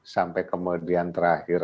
sampai kemudian terakhir